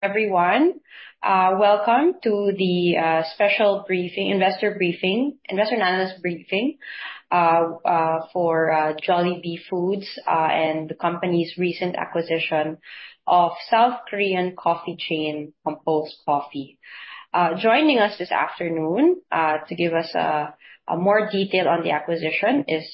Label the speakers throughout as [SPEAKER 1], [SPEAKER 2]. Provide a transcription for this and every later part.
[SPEAKER 1] Everyone, welcome to the special briefing, investor briefing, investor analyst briefing for Jollibee Foods and the company's recent acquisition of South Korean coffee chain, Compose Coffee. Joining us this afternoon to give us more detail on the acquisition is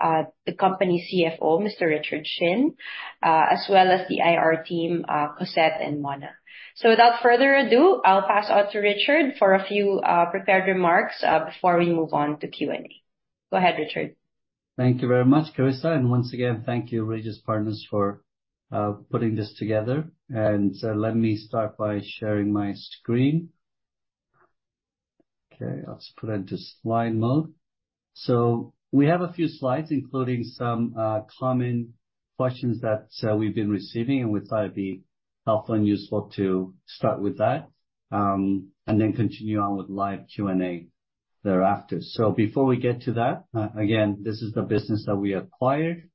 [SPEAKER 1] the company CFO, Mr. Richard Shin, as well as the IR team, Cossette and Mona. So without further ado, I'll pass on to Richard for a few prepared remarks before we move on to Q&A. Go ahead, Richard.
[SPEAKER 2] Thank you very much, Carissa, and once again, thank you, Regis Partners, for putting this together. Let me start by sharing my screen. Okay, let's put into slide mode. So we have a few slides, including some common questions that we've been receiving, and we thought it'd be helpful and useful to start with that, and then continue on with live Q&A thereafter. So before we get to that, again, this is the business that we acquired.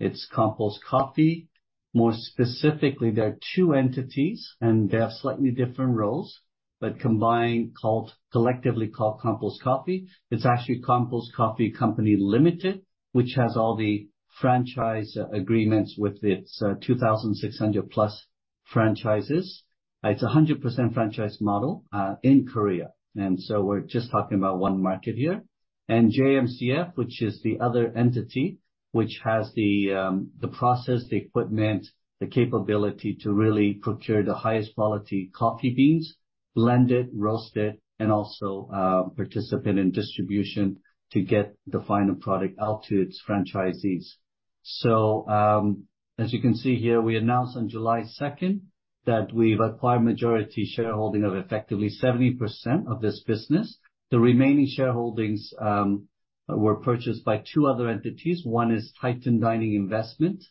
[SPEAKER 2] It's Compose Coffee. More specifically, there are two entities, and they have slightly different roles, but combined, called- collectively called Compose Coffee. It's actually Compose Coffee Company Limited, which has all the franchise agreements with its 2,600+ franchises. It's a 100% franchise model in Korea, and so we're just talking about one market here. JMCF, which is the other entity, which has the process, the equipment, the capability to really procure the highest quality coffee beans, blend it, roast it, and also participate in distribution to get the final product out to its franchisees. As you can see here, we announced on July 2nd that we've acquired majority shareholding of effectively 70% of this business. The remaining shareholdings were purchased by two other entities. One is Titan Dining Investment,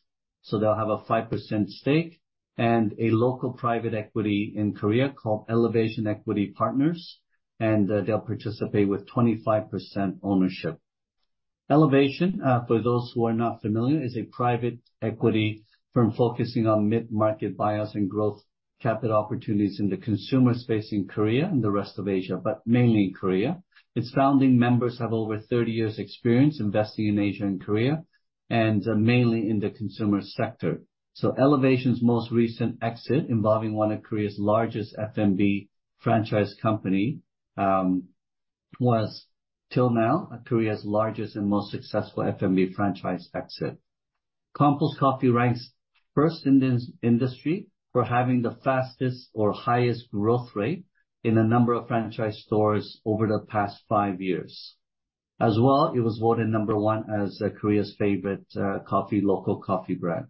[SPEAKER 2] so they'll have a 5% stake, and a local private equity in Korea called Elevation Equity Partners, and they'll participate with 25% ownership. Elevation, for those who are not familiar, is a private equity firm focusing on mid-market buyers and growth capital opportunities in the consumer space in Korea and the rest of Asia, but mainly in Korea. Its founding members have over 30 years' experience investing in Asia and Korea, and mainly in the consumer sector. So Elevation's most recent exit, involving one of Korea's largest F&B franchise company, was, till now, Korea's largest and most successful F&B franchise exit. Compose Coffee ranks first in this industry for having the fastest or highest growth rate in the number of franchise stores over the past five years. As well, it was voted number one as Korea's favorite coffee, local coffee brand.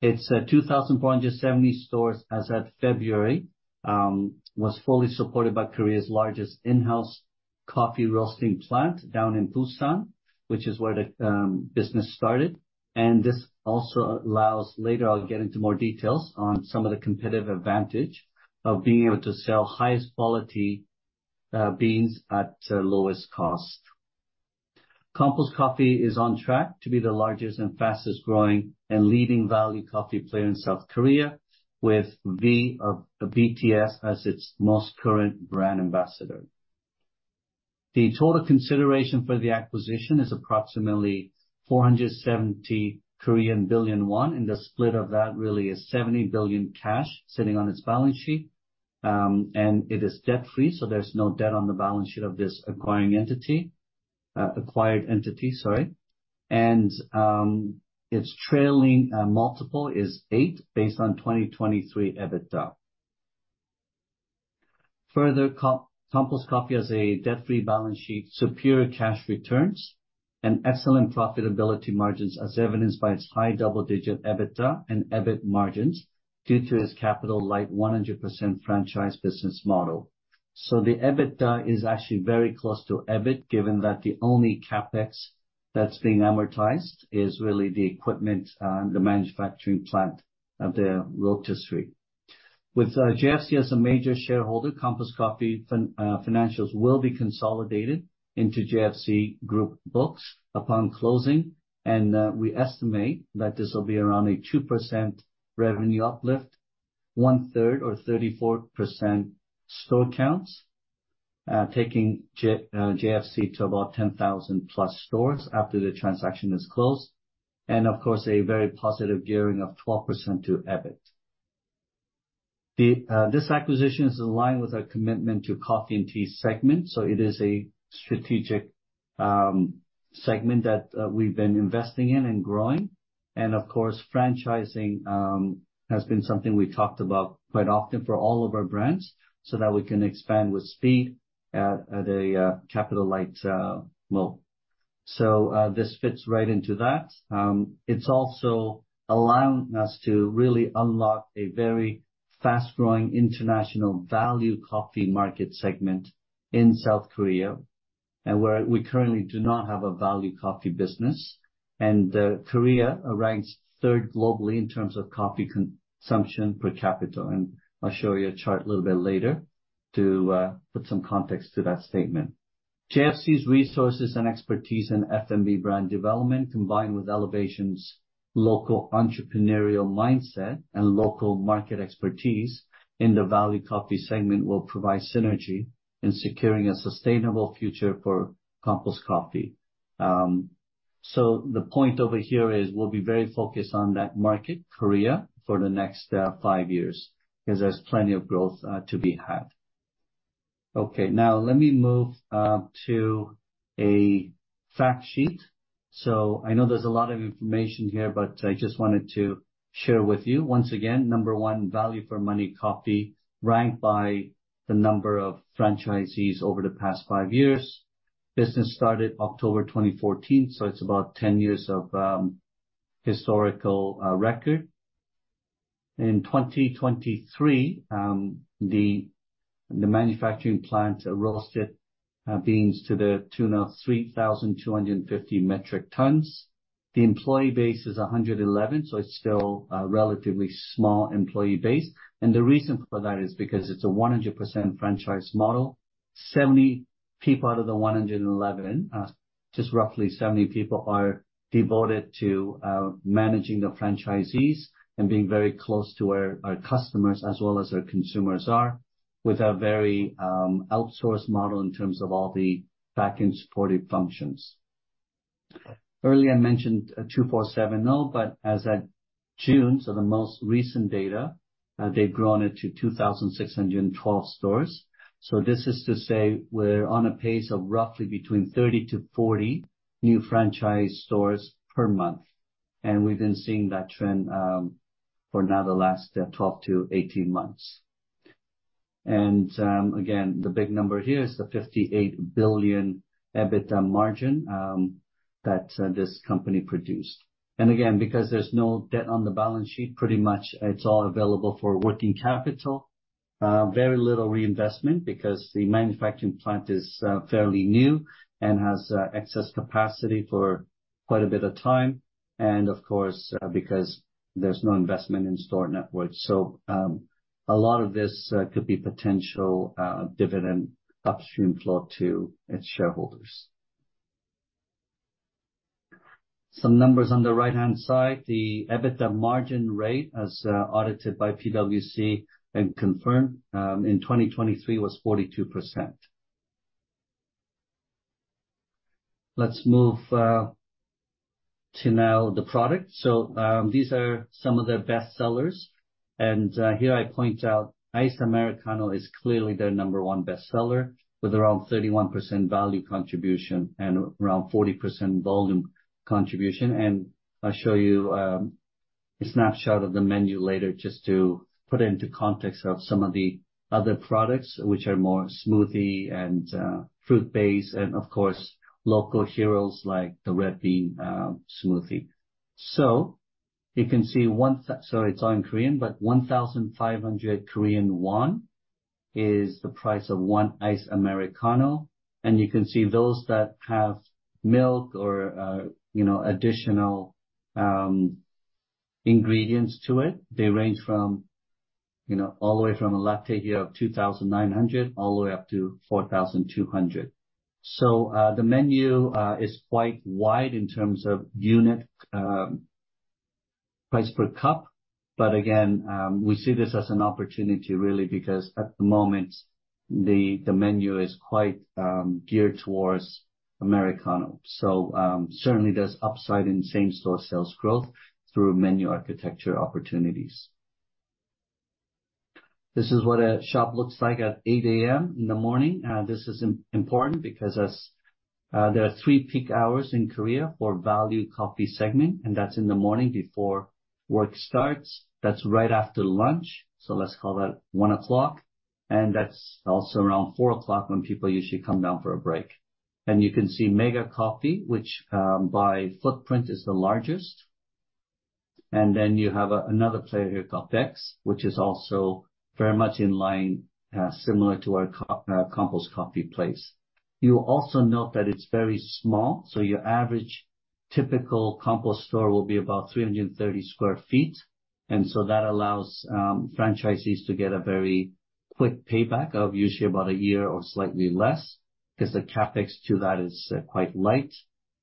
[SPEAKER 2] It's 2,470 stores, as of February, was fully supported by Korea's largest in-house coffee roasting plant down in Busan, which is where the business started. And this also allows... Later, I'll get into more details on some of the competitive advantage of being able to sell highest quality beans at the lowest cost. Compose Coffee is on track to be the largest and fastest growing and leading value coffee player in South Korea, with V, BTS as its most current brand ambassador. The total consideration for the acquisition is approximately 470 billion won, and the split of that really is 70 billion cash sitting on its balance sheet. And it is debt-free, so there's no debt on the balance sheet of this acquiring entity, acquired entity, sorry. And its trailing multiple is 8x, based on 2023 EBITDA. Further, Compose Coffee has a debt-free balance sheet, superior cash returns, and excellent profitability margins, as evidenced by its high double-digit EBITDA and EBIT margins due to its capital-light 100% franchise business model. So the EBITDA is actually very close to EBIT, given that the only CapEx that's being amortized is really the equipment and the manufacturing plant of the roastery. With JFC as a major shareholder, Compose Coffee financials will be consolidated into JFC group books upon closing, and we estimate that this will be around a 2% revenue uplift, 1/3 or 34% store counts, taking JFC to about 10,000+ stores after the transaction is closed, and of course, a very positive gearing of 12% to EBIT. This acquisition is in line with our commitment to coffee and tea segment, so it is a strategic segment that we've been investing in and growing. Of course, franchising has been something we talked about quite often for all of our brands, so that we can expand with speed at a capital-light mode. So, this fits right into that. It's also allowing us to really unlock a very fast-growing international value coffee market segment in South Korea, and where we currently do not have a value coffee business. And, Korea ranks third globally in terms of coffee consumption per capita, and I'll show you a chart a little bit later to put some context to that statement. JFC's resources and expertise in F&B brand development, combined with Elevation's local entrepreneurial mindset and local market expertise in the value coffee segment, will provide synergy in securing a sustainable future for Compose Coffee. So the point over here is we'll be very focused on that market, Korea, for the next five years, because there's plenty of growth to be had. Okay, now let me move to a fact sheet. So I know there's a lot of information here, but I just wanted to share with you. Once again, number one, value for money coffee, ranked by the number of franchisees over the past five years. Business started October 2014, so it's about 10 years of historical record. In 2023, the manufacturing plant roasted beans to the tune of 3,250 metric tons. The employee base is 111, so it's still a relatively small employee base. And the reason for that is because it's a 100% franchise model. 70 people out of the 111, just roughly 70 people, are devoted to, managing the franchisees and being very close to where our customers as well as our consumers are, with a very, outsourced model in terms of all the back-end supportive functions. Earlier, I mentioned, 247, though, but as at June, so the most recent data, they've grown it to 2,612 stores. So this is to say, we're on a pace of roughly between 30-40 new franchise stores per month, and we've been seeing that trend, for now the last, 12-18 months. Again, the big number here is the 58 billion EBITDA margin, that, this company produced. And again, because there's no debt on the balance sheet, pretty much it's all available for working capital. Very little reinvestment, because the manufacturing plant is fairly new and has excess capacity for quite a bit of time, and of course, because there's no investment in store networks. So, a lot of this could be potential dividend upstream flow to its shareholders. Some numbers on the right-hand side, the EBITDA margin rate, as audited by PwC and confirmed in 2023, was 42%. Let's move to now the product. So, these are some of their best sellers, and here I point out Iced Americano is clearly their number one bestseller, with around 31% value contribution and around 40% volume contribution. And I'll show you, a snapshot of the menu later, just to put into context of some of the other products, which are more smoothie and, fruit-based, and of course, local heroes like the red bean, smoothie. So you can see. Sorry, it's all in Korean, but 1,500 Korean won is the price of one Iced Americano. And you can see those that have milk or, you know, additional, ingredients to it, they range from, you know, all the way from the latte here of 2,900, all the way up to 4,200. So, the menu, is quite wide in terms of unit, price per cup. But again, we see this as an opportunity really, because at the moment, the, the menu is quite, geared towards Americano. So, certainly there's upside in same store sales growth through menu architecture opportunities. This is what a shop looks like at 8:00 A.M. in the morning. This is important because there are three peak hours in Korea for value coffee segment, and that's in the morning before work starts. That's right after lunch, so let's call that 1:00 P.M. And that's also around 4:00 P.M., when people usually come down for a break. And you can see Mega Coffee, which by footprint is the largest. And then you have another player here, Coffee X, which is also very much in line, similar to our Compose Coffee place. You will also note that it's very small, so your average typical Compose store will be about 330sq ft. And so that allows franchisees to get a very quick payback of usually about a year or slightly less, because the CapEx to that is quite light.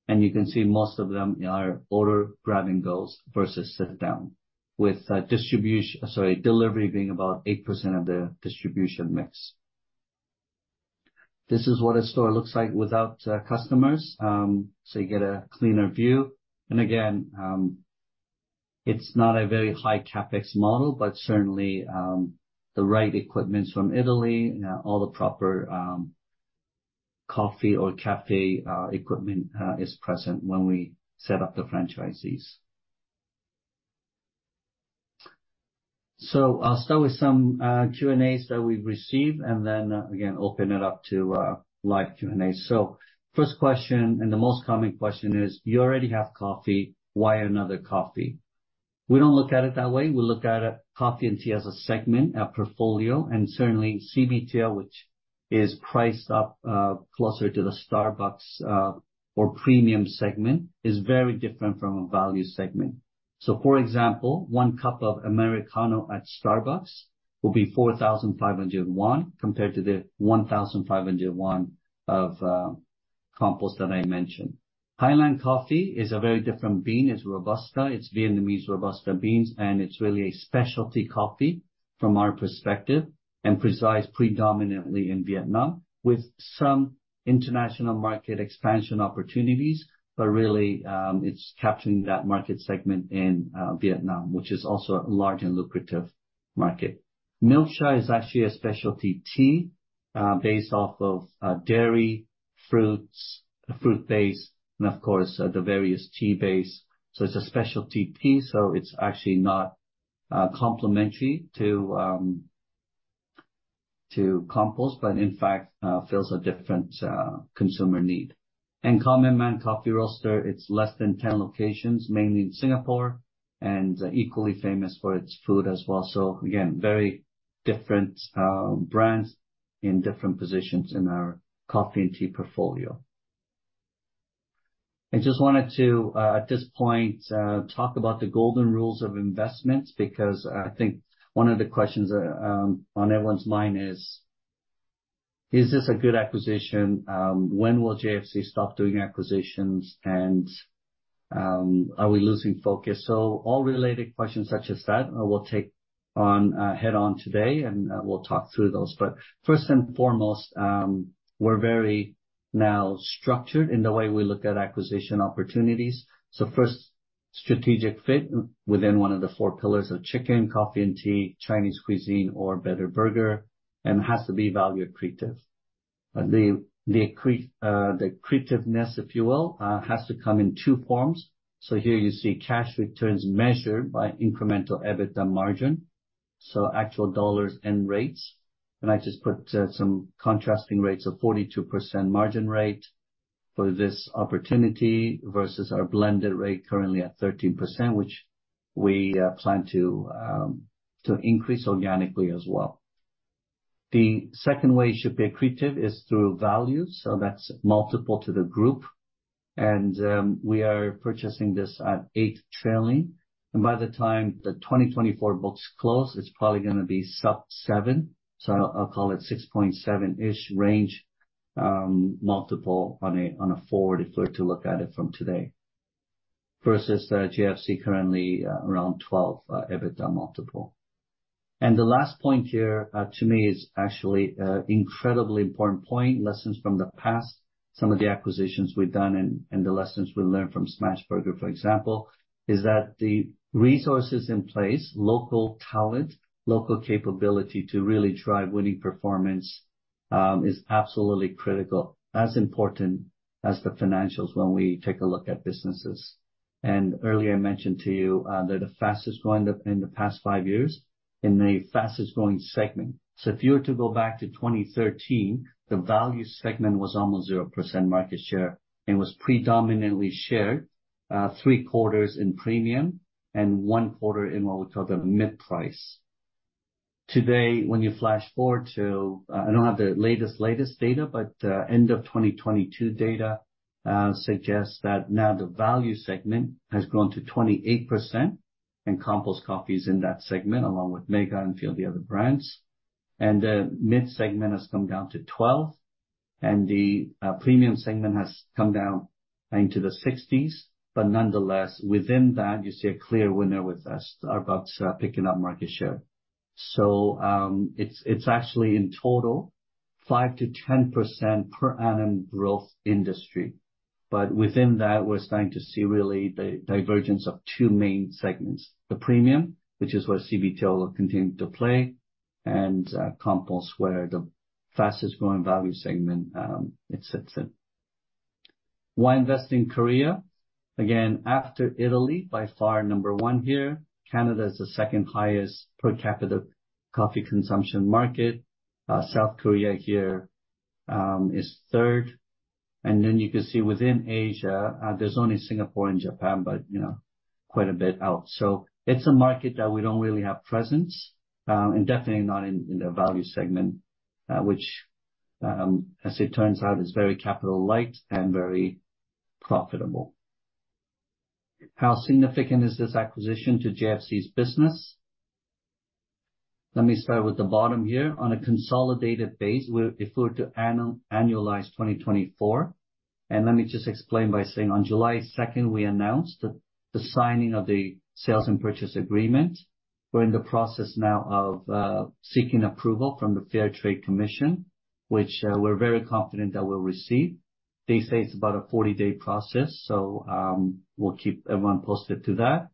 [SPEAKER 2] And you can see most of them are order-grabbing goes versus sit down, with distribution, sorry, delivery being about 8% of the distribution mix. This is what a store looks like without customers, so you get a cleaner view. And again, it's not a very high CapEx model, but certainly the right equipment from Italy and all the proper coffee or cafe equipment is present when we set up the franchisees. So I'll start with some Q&As that we've received, and then again, open it up to live Q&A. So first question, and the most common question is: You already have coffee. Why another coffee? We don't look at it that way. We look at it, coffee and tea, as a segment, a portfolio, and certainly CBTL, which is priced up, closer to the Starbucks, or premium segment, is very different from a value segment. So for example, one cup of Americano at Starbucks will be 4,501, compared to the 1,501 of, Compose that I mentioned. Highlands Coffee is a very different bean. It's Robusta. It's Vietnamese Robusta beans, and it's really a specialty coffee from our perspective, and resides predominantly in Vietnam, with some international market expansion opportunities. But really, it's capturing that market segment in, Vietnam, which is also a large and lucrative market. Milksha is actually a specialty tea, based off of, dairy, fruits, fruit base, and of course, the various tea base. So it's a specialty tea, so it's actually not complementary to Compose, but in fact fills a different consumer need. And Common Man Coffee Roasters, it's less than 10 locations, mainly in Singapore, and equally famous for its food as well. So again, very different brands in different positions in our coffee and tea portfolio. I just wanted to at this point talk about the golden rules of investments, because I think one of the questions on everyone's mind is: Is this a good acquisition? When will JFC stop doing acquisitions, and are we losing focus? So all related questions such as that, I will take on head on today, and we'll talk through those. But first and foremost, we're very now structured in the way we look at acquisition opportunities. So first, strategic fit within one of the four pillars of chicken, coffee and tea, Chinese cuisine, or better burger, and has to be value accretive. The, the accretiveness, if you will, has to come in two forms. So here you see cash returns measured by incremental EBITDA margin, so actual dollars and rates. And I just put some contrasting rates of 42% margin rate for this opportunity versus our blended rate currently at 13%, which we plan to increase organically as well. The second way it should be accretive is through value, so that's multiple to the group. We are purchasing this at 8x trailing, and by the time the 2024 books close, it's probably gonna be sub 7x, so I'll call it 6.7x-ish range, multiple on a forward if we're to look at it from today, versus the JFC currently, around 12x, EBITDA multiple. The last point here, to me is actually an incredibly important point, lessons from the past. Some of the acquisitions we've done and the lessons we learned from Smashburger, for example, is that the resources in place, local talent, local capability to really drive winning performance, is absolutely critical, as important as the financials when we take a look at businesses. Earlier, I mentioned to you, they're the fastest growing in the past five years, in the fastest growing segment. So if you were to go back to 2013, the value segment was almost 0% market share and was predominantly shared, 3/4 in premium and 1/4 in what we call the mid-price. Today, when you flash forward to, I don't have the latest, latest data, but, end of 2022 data, suggests that now the value segment has grown to 28%, and Compose Coffee is in that segment, along with Mega Coffee and a few of the other brands. And the mid segment has come down to 12%, and the, premium segment has come down into the 60s. But nonetheless, within that, you see a clear winner with us, Starbucks, picking up market share. So, it's, it's actually in total, 5%-10% per annum growth industry. But within that, we're starting to see really the divergence of two main segments, the Premium, which is where CBTL will continue to play, and Compose, where the fastest growing value segment, it sits in. Why invest in Korea? Again, after Italy, by far number one here, Canada is the second highest per capita coffee consumption market. South Korea here, is third. And then you can see within Asia, there's only Singapore and Japan, but, you know, quite a bit out. So it's a market that we don't really have presence, and definitely not in, in the value segment, which, as it turns out, is very capital-light and very profitable. How significant is this acquisition to JFC's business? Let me start with the bottom here. On a consolidated base, if we were to annualize 2024, and let me just explain by saying on July 2, we announced the signing of the Sales and Purchase Agreement. We're in the process now of seeking approval from the Fair Trade Commission, which we're very confident that we'll receive. They say it's about a 40-day process, so we'll keep everyone posted to that.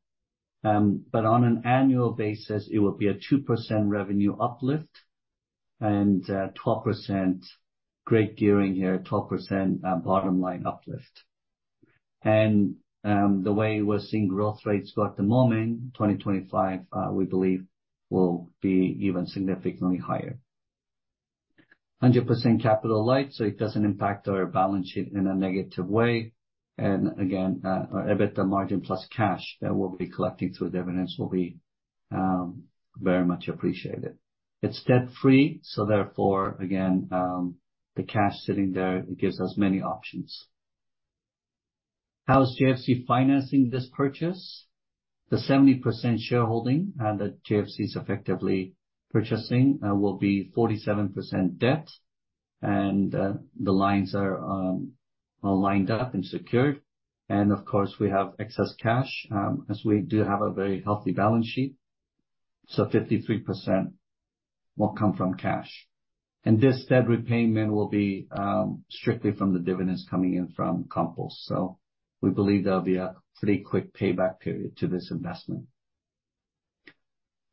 [SPEAKER 2] But on an annual basis, it will be a 2% revenue uplift and twelve percent great gearing here, 12% bottom line uplift. And the way we're seeing growth rates go at the moment, 2025 we believe will be even significantly higher. 100% capital light, so it doesn't impact our balance sheet in a negative way. And again, our EBITDA margin plus cash that we'll be collecting through the dividends will be very much appreciated. It's debt-free, so therefore, again, the cash sitting there, it gives us many options. How is JFC financing this purchase? The 70% shareholding that JFC is effectively purchasing will be 47% debt, and the lines are lined up and secured. And of course, we have excess cash, as we do have a very healthy balance sheet, so 53% will come from cash. And this debt repayment will be strictly from the dividends coming in from Compose. So we believe there'll be a pretty quick payback period to this investment.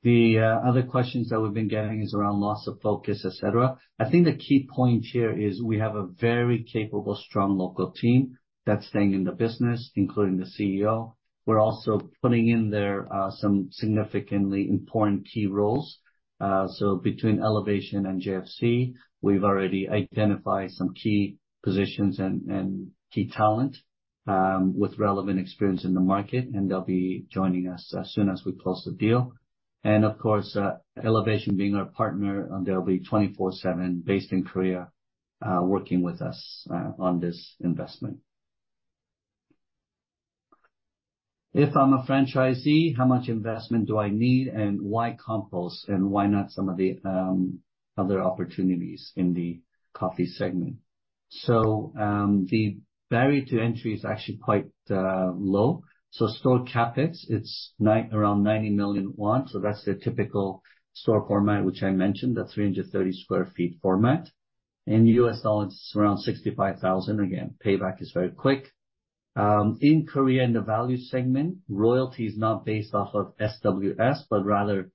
[SPEAKER 2] The other questions that we've been getting is around loss of focus, et cetera. I think the key point here is we have a very capable, strong, local team that's staying in the business, including the CEO. We're also putting in there some significantly important key roles. So between Elevation and JFC, we've already identified some key positions and key talent with relevant experience in the market, and they'll be joining us as soon as we close the deal. And of course, Elevation being our partner, and they'll be 24/7, based in Korea, working with us on this investment. If I'm a franchisee, how much investment do I need, and why Compose, and why not some of the other opportunities in the coffee segment? So the barrier to entry is actually quite low. So store CapEx, it's around 90 million won. So that's the typical store format, which I mentioned, the 330 sq ft format. In U.S. dollars, it's around $65,000. Again, payback is very quick. In Korea, in the value segment, royalty is not based off of SWS, but rather,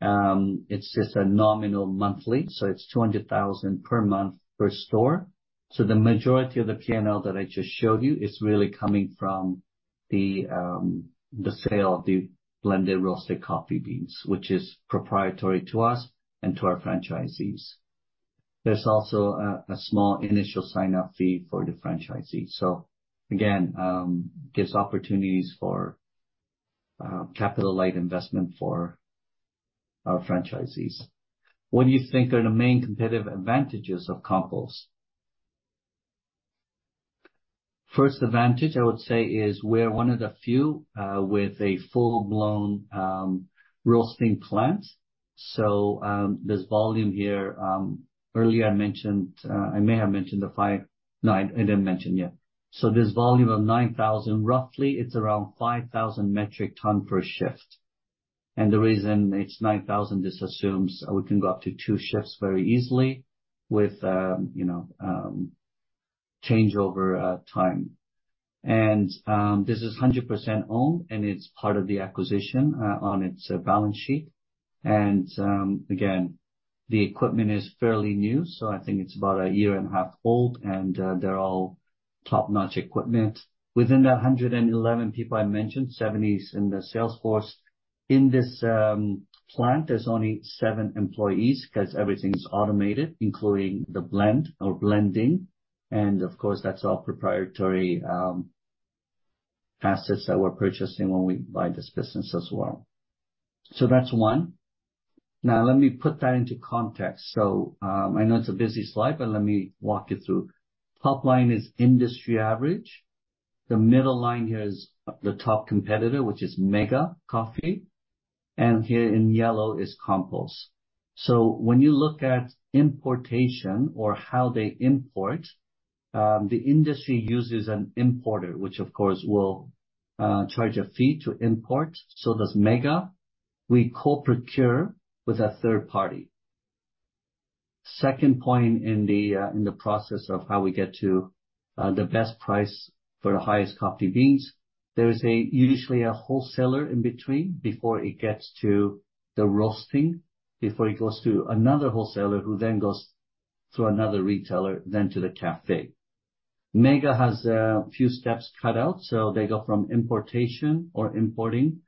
[SPEAKER 2] it's just a nominal monthly, so it's 200,000 per month per store. So the majority of the P&L that I just showed you is really coming from the sale of the blended roasted coffee beans, which is proprietary to us and to our franchisees. There's also a small initial sign-up fee for the franchisee. So again, gives opportunities for capital-light investment for our franchisees. What do you think are the main competitive advantages of Compose? First advantage, I would say, is we're one of the few with a full-blown roasting plant, so there's volume here. Earlier, I mentioned... I may have mentioned the five... No, I didn't mention yet. So there's volume of 9,000 metric ton. Roughly, it's around 5,000 metric ton per shift. And the reason it's 9,000 metric ton, this assumes we can go up to two shifts very easily with, you know, changeover time. And this is 100% owned, and it's part of the acquisition on its balance sheet. And again, the equipment is fairly new, so I think it's about a year and a half old, and they're all top-notch equipment. Within the 111 people I mentioned, 70 is in the sales force. In this plant, there's only seven employees, 'cause everything is automated, including the blend or blending, and of course, that's all proprietary assets that we're purchasing when we buy this business as well. So that's one. Now let me put that into context. So, I know it's a busy slide, but let me walk you through. Top line is industry average. The middle line here is the top competitor, which is Mega Coffee, and here in yellow is Compose. So when you look at importation or how they import, the industry uses an importer, which of course will charge a fee to import, so does Mega. We co-procure with a third party. Second point in the process of how we get to the best price for the highest coffee beans, there is usually a wholesaler in between before it gets to the roasting, before it goes to another wholesaler, who then goes to another retailer, then to the cafe. Mega has a few steps cut out, so they go from importation or importing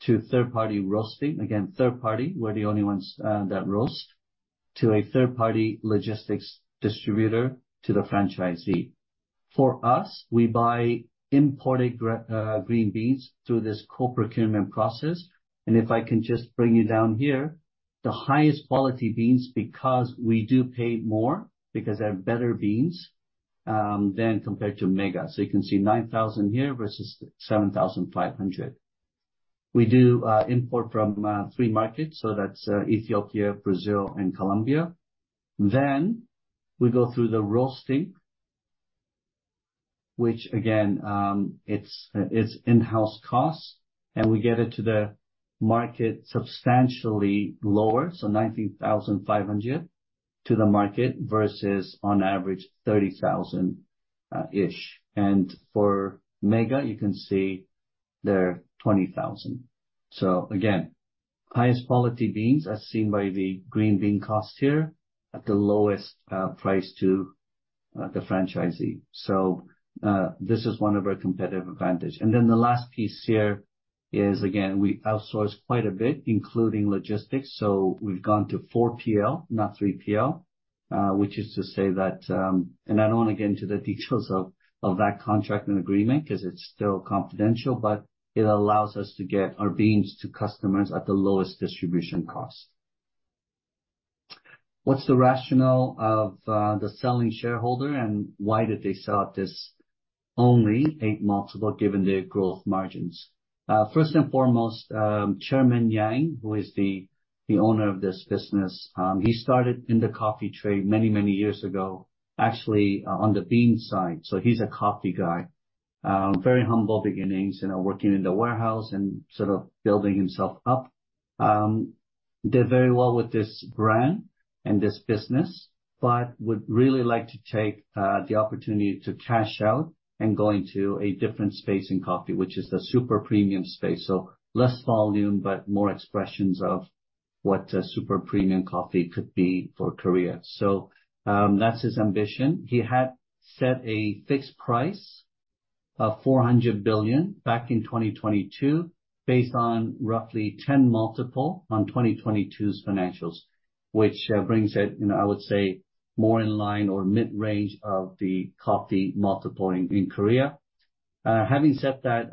[SPEAKER 2] to third-party roasting. Again, third party, we're the only ones that roast, to a third-party logistics distributor to the franchisee. For us, we buy imported green beans through this co-procurement process. And if I can just bring you down here, the highest quality beans, because we do pay more, because they're better beans than compared to Mega. So you can see 9,000 here versus 7,500. We do import from three markets, so that's Ethiopia, Brazil and Colombia. Then we go through the roasting, which again, it's in-house costs, and we get it to the market substantially lower, so 90,500 to the market, versus on average, 30,000 ish. And for Mega, you can see they're 20,000. So again, highest quality beans, as seen by the green bean cost here, at the lowest price to the franchisee. So this is one of our competitive advantage. And then the last piece here is, again, we outsource quite a bit, including logistics, so we've gone to 4PL, not 3PL, which is to say that... And I don't want to get into the details of that contract and agreement, 'cause it's still confidential, but it allows us to get our beans to customers at the lowest distribution cost. What's the rationale of the selling shareholder, and why did they sell at this only 8x multiple given their growth margins? First and foremost, Chairman Yang, who is the owner of this business, he started in the coffee trade many, many years ago, actually, on the bean side, so he's a coffee guy. Very humble beginnings, you know, working in the warehouse and sort of building himself up. Did very well with this brand and this business, but would really like to take the opportunity to cash out and go into a different space in coffee, which is the super premium space. So less volume, but more expressions of what a super premium coffee could be for Korea. So, that's his ambition. He had set a fixed price of 400 billion back in 2022, based on roughly 10x multiple on 2022's financials, which, you know, brings it, I would say, more in line or mid-range of the coffee multiple in Korea. Having said that,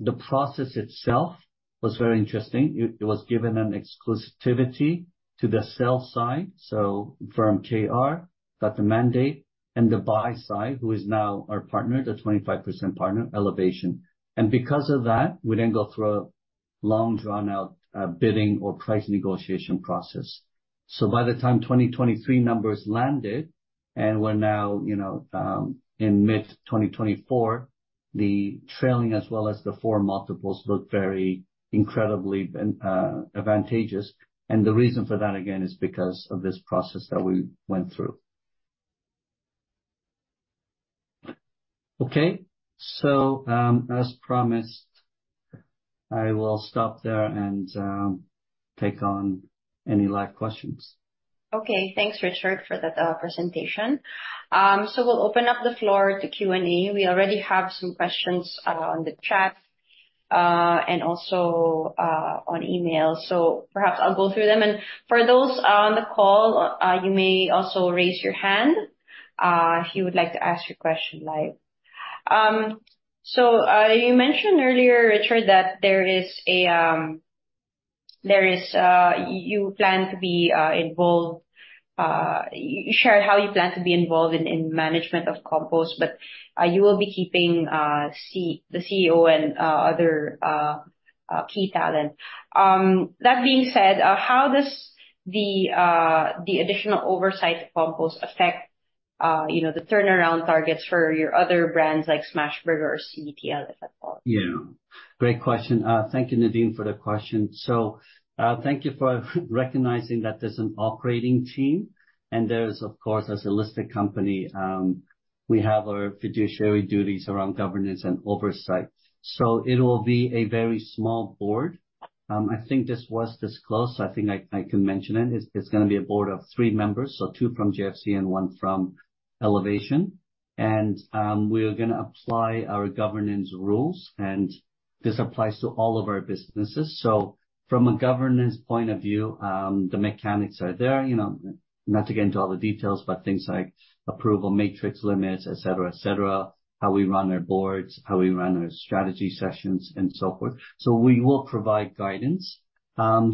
[SPEAKER 2] the process itself was very interesting. It was given an exclusivity to the sell side, so Firm KR got the mandate, and the buy side, who is now our partner, the 25% partner, Elevation. And because of that, we then go through a long, drawn-out, bidding or price negotiation process. So by the time 2023 numbers landed, and we're now, you know, in mid-2024, the trailing as well as the forward multiples looked very incredibly advantageous. And the reason for that, again, is because of this process that we went through. Okay. So, as promised, I will stop there and take on any live questions.
[SPEAKER 1] Okay. Thanks, Richard, for that presentation. So we'll open up the floor to Q&A. We already have some questions on the chat and also on email, so perhaps I'll go through them. And for those on the call, you may also raise your hand if you would like to ask your question live. So you mentioned earlier, Richard, that there is a there is... you plan to be involved, you shared how you plan to be involved in management of Compose, but you will be keeping the CEO and other key talent. That being said, how does the additional oversight of Compose affect, you know, the turnaround targets for your other brands, like Smashburger or CBTL, if at all?
[SPEAKER 2] Yeah. Great question. Thank you, Nadine, for the question. So, thank you for recognizing that there's an operating team, and there's, of course, as a listed company, we have our fiduciary duties around governance and oversight. So it'll be a very small board. I think this was disclosed, I think I can mention it. It's gonna be a board of three members, so two from JFC and one from Elevation. And we're gonna apply our governance rules, and this applies to all of our businesses. So from a governance point of view, the mechanics are there. You know, not to get into all the details, but things like approval matrix limits, et cetera, et cetera, how we run our boards, how we run our strategy sessions, and so forth. So we will provide guidance.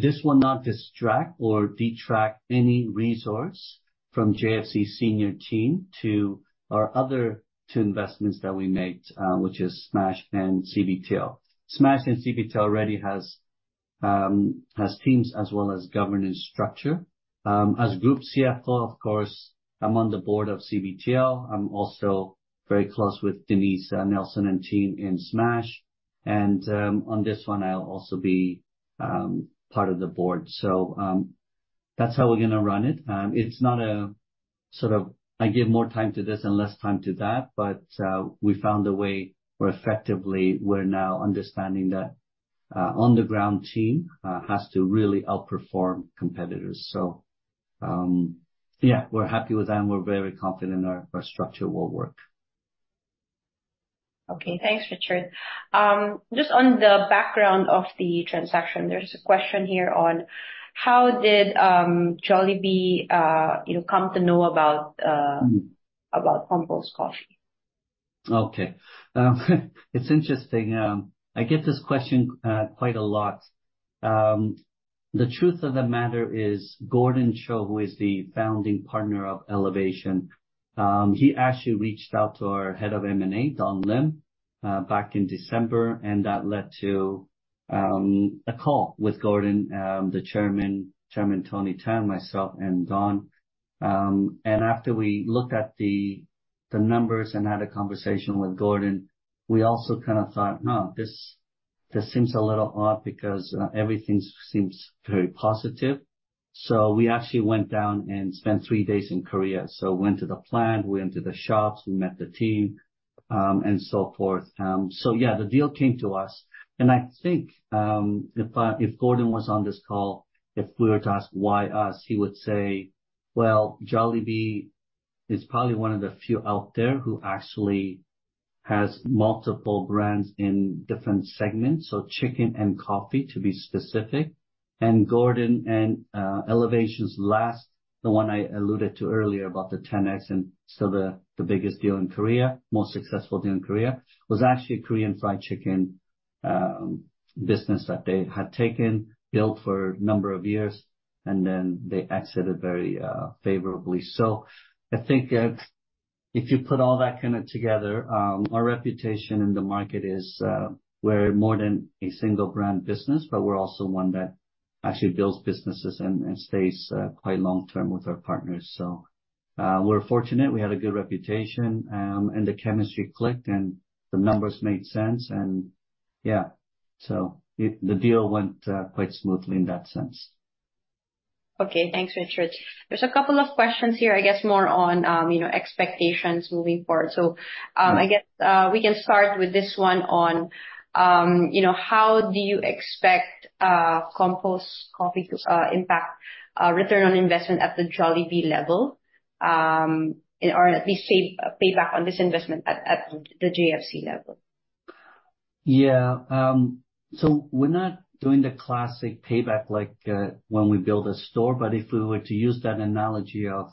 [SPEAKER 2] This will not distract or detract any resource from JFC senior team to our other two investments that we made, which is Smashburger and CBTL. Smashburger and CBTL already has teams as well as governance structure. As Group CFO, of course, I'm on the board of CBTL. I'm also very close with Denise Nelsen and team in Smashburger. And on this one, I'll also be part of the board. So, that's how we're gonna run it. It's not a sort of, I give more time to this and less time to that, but we found a way where effectively, we're now understanding that, on the ground team has to really outperform competitors. So, yeah, we're happy with that, and we're very confident our structure will work.
[SPEAKER 1] Okay. Thanks, Richard. Just on the background of the transaction, there's a question here on: How did Jollibee, you know, come to know about about Compose Coffee?
[SPEAKER 2] Okay. It's interesting. I get this question quite a lot. The truth of the matter is Gordon Cho, who is the founding partner of Elevation, he actually reached out to our head of M&A, Don Lim, back in December, and that led to a call with Gordon, the chairman, Chairman Tony Tan, myself, and Don. And after we looked at the numbers and had a conversation with Gordon, we also kind of thought: Huh, this seems a little odd because everything seems very positive. So we actually went down and spent three days in Korea. So went to the plant, we went to the shops, we met the team, and so forth. So yeah, the deal came to us, and I think, if Gordon was on this call, if we were to ask: Why us? He would say, "Well, Jollibee is probably one of the few out there who actually has multiple brands in different segments," so chicken and coffee, to be specific. And Gordon and Elevation's last, the one I alluded to earlier about the 10x, and still the biggest deal in Korea, most successful deal in Korea, was actually a Korean fried chicken business that they had taken, built for a number of years, and then they exited very favorably. So I think if you put all that kind of together, our reputation in the market is, we're more than a single brand business, but we're also one that actually builds businesses and stays quite long-term with our partners. So, we're fortunate. We have a good reputation, and the chemistry clicked, and the numbers made sense, and yeah, so the deal went quite smoothly in that sense.
[SPEAKER 1] Okay, thanks, Richard. There's a couple of questions here, I guess, more on, you know, expectations moving forward. So, I guess, we can start with this one on, you know, how do you expect, Compose Coffee to, impact, return on investment at the Jollibee level, or at least shape payback on this investment at, at the JFC level?
[SPEAKER 2] Yeah. So we're not doing the classic payback like when we build a store, but if we were to use that analogy of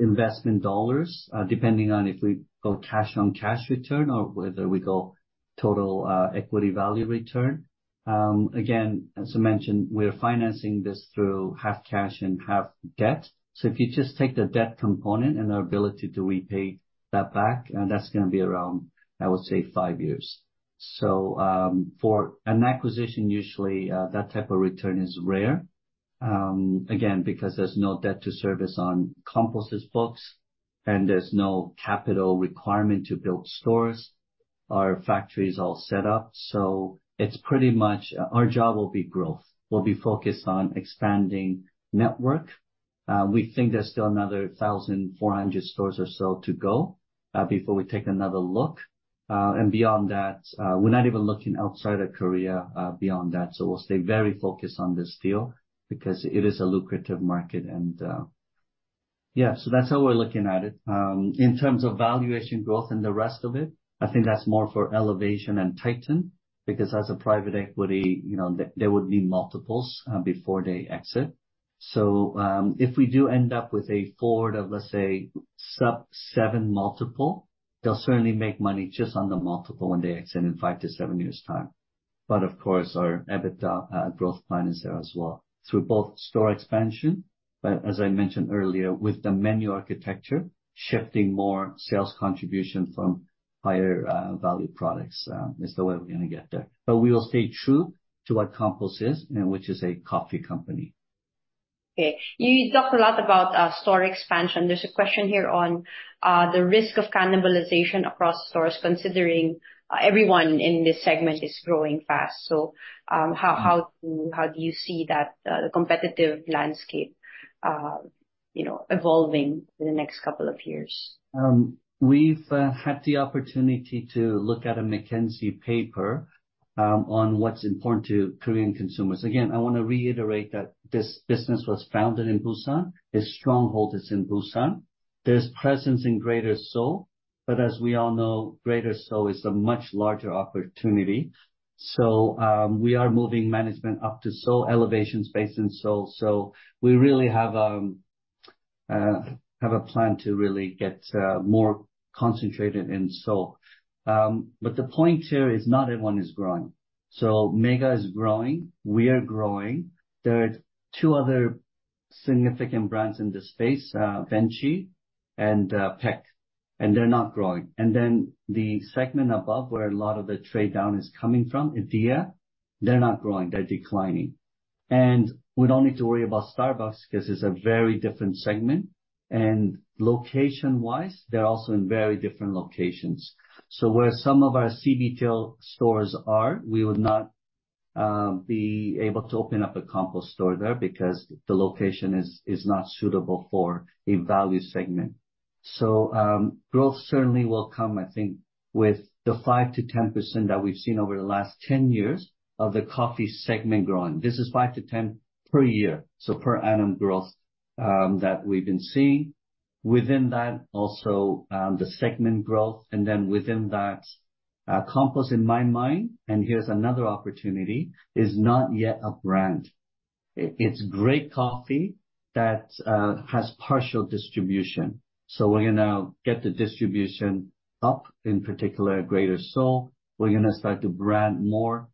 [SPEAKER 2] investment dollars, depending on if we go cash-on-cash return or whether we go total equity value return, again, as I mentioned, we're financing this through half cash and half debt. So if you just take the debt component and our ability to repay that back, and that's gonna be around, I would say, 5 years. So for an acquisition, usually that type of return is rare. Again, because there's no debt to service on Compose's books, and there's no capital requirement to build stores. Our factory is all set up, so it's pretty much our job will be growth. We'll be focused on expanding network. We think there's still another 1,400 stores or so to go, before we take another look. And beyond that, we're not even looking outside of Korea, beyond that, so we'll stay very focused on this deal because it is a lucrative market. And yeah, so that's how we're looking at it. In terms of valuation growth and the rest of it, I think that's more for Elevation and Titan, because as a private equity, you know, there would be multiples, before they exit. So, if we do end up with a forward of, let's say, sub-7x multiple, they'll certainly make money just on the multiple when they exit in five to seven years' time. But of course, our EBITDA growth plan is there as well, through both store expansion, but as I mentioned earlier, with the menu architecture, shifting more sales contribution from higher value products, is the way we're gonna get there. But we will stay true to what Compose is, and which is a coffee company.
[SPEAKER 1] Okay. You talked a lot about store expansion. There's a question here on the risk of cannibalization across stores, considering everyone in this segment is growing fast. So, how do you see that, the competitive landscape, you know, evolving in the next couple of years?
[SPEAKER 2] We've had the opportunity to look at a McKinsey paper on what's important to Korean consumers. Again, I wanna reiterate that this business was founded in Busan. Its stronghold is in Busan. There's presence in Greater Seoul, but as we all know, Greater Seoul is a much larger opportunity. So, we are moving management up to Seoul, Elevation is based in Seoul, so we really have a plan to really get more concentrated in Seoul. But the point here is not everyone is growing. So Mega is growing, we are growing. There are two other significant brands in this space, Venti and Paik's, and they're not growing. And then the segment above, where a lot of the trade-down is coming from, Ediya, they're not growing, they're declining. And we don't need to worry about Starbucks, 'cause it's a very different segment, and location-wise, they're also in very different locations. So where some of our CBTL all stores are, we would not be able to open up a Compose store there because the location is not suitable for a value segment. So growth certainly will come, I think, with the 5%-10% that we've seen over the last 10 years of the coffee segment growing. This is 5%-10% per year, so per annum growth that we've been seeing. Within that, also, the segment growth, and then within that, Compose, in my mind, and here's another opportunity, is not yet a brand. It, it's great coffee that has partial distribution, so we're gonna get the distribution up, in particular, Greater Seoul. We're gonna start to brand more.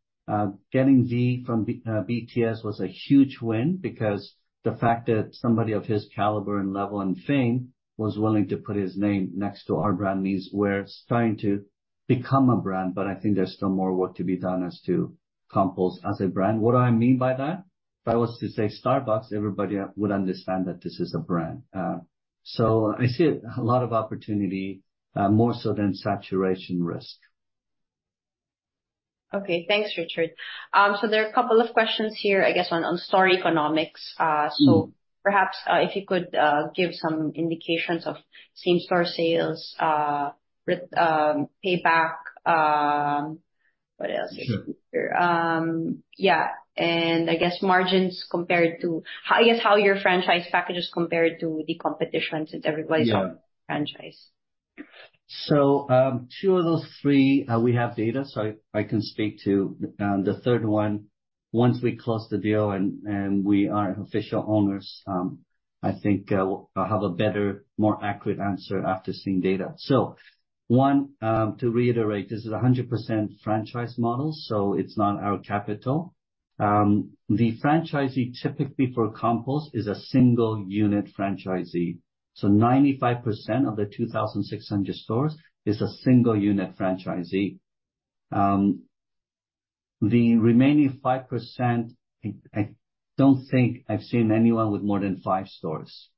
[SPEAKER 2] Getting V from BTS was a huge win because the fact that somebody of his caliber and level and fame was willing to put his name next to our brand means we're starting to become a brand, but I think there's still more work to be done as to Compose as a brand. What do I mean by that? If I was to say Starbucks, everybody would understand that this is a brand. So I see a lot of opportunity, more so than saturation risk.
[SPEAKER 1] Okay. Thanks, Richard. So there are a couple of questions here, I guess, on store economics.
[SPEAKER 2] Mm-hmm.
[SPEAKER 1] So perhaps if you could give some indications of same-store sales with payback, what else?
[SPEAKER 2] Sure.
[SPEAKER 1] Yeah, and I guess margins compared to... I guess, how your franchise package is compared to the competition, since everybody's on franchise.
[SPEAKER 2] So, two of those three, we have data, so I can speak to. The third one, once we close the deal and we are official owners, I think we'll have a better, more accurate answer after seeing data. So one, to reiterate, this is a 100% franchise model, so it's not our capital. The franchisee, typically for Compose, is a single unit franchisee. So 95% of the 2,600 stores is a single unit franchisee. The remaining 5%, I don't think I've seen anyone with more than five stores.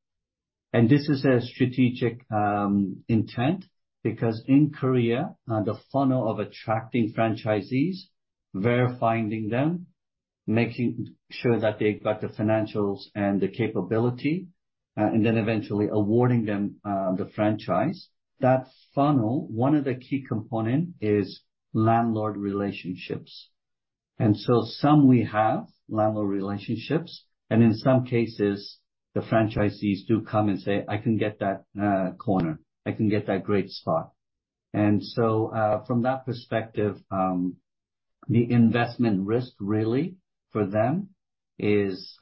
[SPEAKER 2] This is a strategic intent, because in Korea, the funnel of attracting franchisees, finding them, making sure that they've got the financials and the capability, and then eventually awarding them the franchise, that funnel, one of the key component is landlord relationships. And so some we have landlord relationships, and in some cases, the franchisees do come and say, "I can get that corner. I can get that great spot." And so, from that perspective, the investment risk really for them is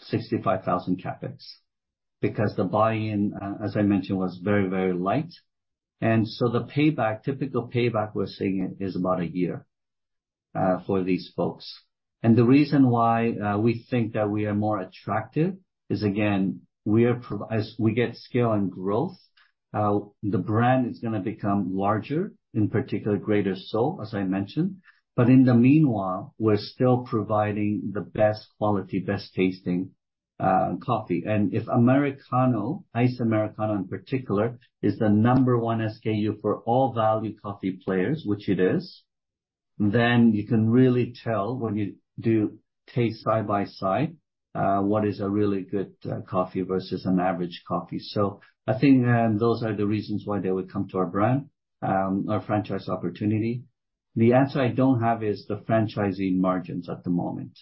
[SPEAKER 2] 65,000 CapEx, because the buy-in, as I mentioned, was very, very light. And so the payback, typical payback we're seeing is about a year for these folks. And the reason why we think that we are more attractive is, again, we are as we get scale and growth, the brand is gonna become larger, in particular, Greater Seoul, as I mentioned. But in the meanwhile, we're still providing the best quality, best tasting, coffee. And if Americano, Iced Americano in particular, is the number one SKU for all value coffee players, which it is, then you can really tell when you do taste side by side, what is a really good, coffee versus an average coffee. So I think, those are the reasons why they would come to our brand, our franchise opportunity. The answer I don't have is the franchising margins at the moment,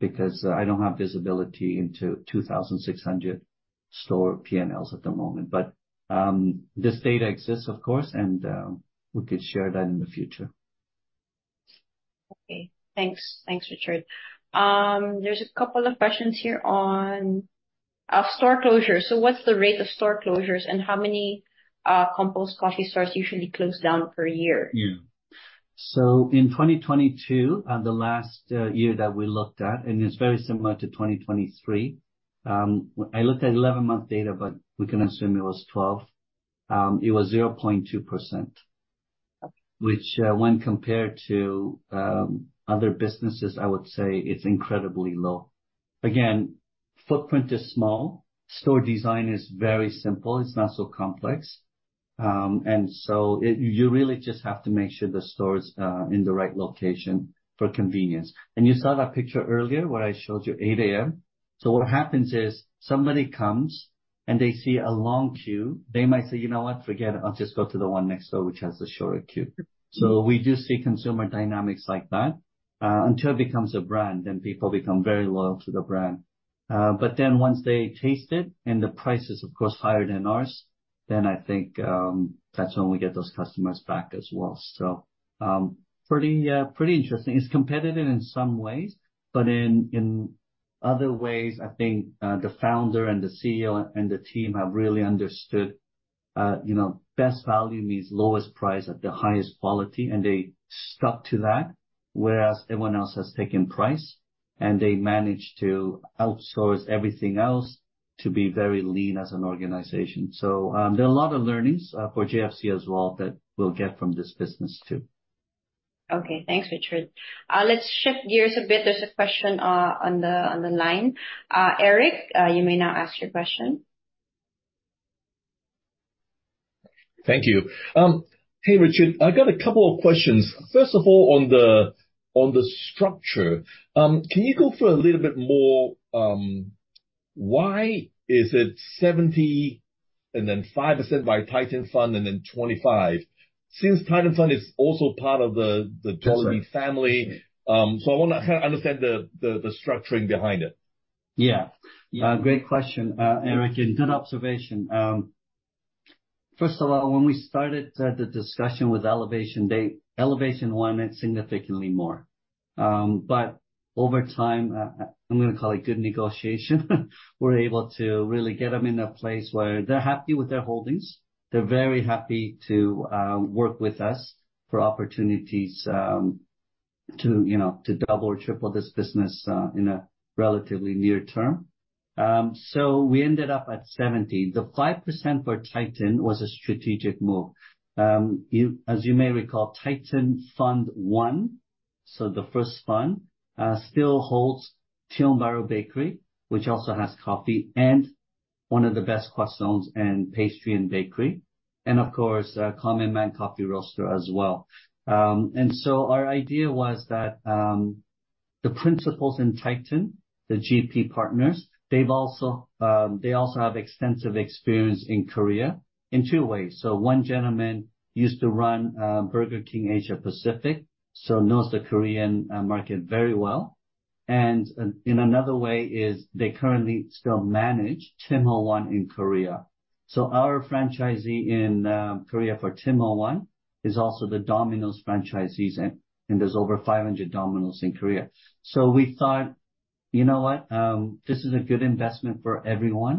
[SPEAKER 2] because I don't have visibility into 2,600 store PNLs at the moment. But, this data exists, of course, and we could share that in the future.
[SPEAKER 1] Okay, thanks. Thanks, Richard. There's a couple of questions here on store closures. So what's the rate of store closures, and how many Compose Coffee stores usually close down per year?
[SPEAKER 2] Yeah. So in 2022, the last year that we looked at, and it's very similar to 2023, I looked at 11-month data, but we can assume it was 12. It was 0.2%. Which, when compared to other businesses, I would say it's incredibly low. Again, footprint is small, store design is very simple. It's not so complex. And so it... You really just have to make sure the store is in the right location for convenience. And you saw that picture earlier, where I showed you 8:00 A.M. So what happens is, somebody comes and they see a long queue, they might say, "You know what? Forget it. I'll just go to the one next door, which has the shorter queue." So we do see consumer dynamics like that, until it becomes a brand, then people become very loyal to the brand. But then once they taste it, and the price is, of course, higher than ours, then I think, that's when we get those customers back as well. So, pretty, pretty interesting. It's competitive in some ways, but in other ways, I think, the founder and the CEO and the team have really understood, you know, best value means lowest price at the highest quality, and they stuck to that, whereas everyone else has taken price. And they managed to outsource everything else to be very lean as an organization. So, there are a lot of learnings, for JFC as well, that we'll get from this business, too.
[SPEAKER 1] Okay. Thanks, Richard. Let's shift gears a bit. There's a question on the line. Eric, you may now ask your question.
[SPEAKER 3] Thank you. Hey, Richard, I got a couple of questions. First of all, on the structure, can you go through a little bit more, why is it 70% and then 5% by Titan Fund and then 25%, since Titan Fund is also part of the, the Jollibee family?
[SPEAKER 2] That's right.
[SPEAKER 3] So I wanna understand the structuring behind it.
[SPEAKER 2] Yeah. Great question, Eric, and good observation. First of all, when we started, the discussion with Elevation, they... Elevation wanted significantly more. But over time, I'm gonna call it good negotiation, we're able to really get them in a place where they're happy with their holdings. They're very happy to work with us for opportunities, to, you know, to double or triple this business, in a relatively near term. So we ended up at 70%. The 5% for Titan was a strategic move. You, as you may recall, Titan Fund I, so the first fund, still holds Tiong Bahru Bakery, which also has coffee and one of the best croissants and pastry and bakery, and of course, Common Man Coffee Roasters as well. And so our idea was that, the principals in Titan, the GP partners, they also have extensive experience in Korea in two ways. So one gentleman used to run, Burger King Asia Pacific, so knows the Korean, market very well. And in another way is they currently still manage Tim Ho Wan in Korea. So our franchisee in, Korea for Tim Ho Wan is also the Domino’s franchisee, and there’s over 500 Domino’s in Korea. So we thought, you know what? This is a good investment for everyone,